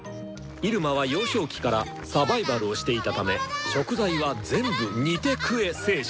イルマは幼少期からサバイバルをしていたため食材は全部煮て食え精神。